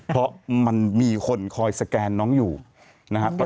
เพราะมันมีคนคอยสแกนน้องอยู่นะครับ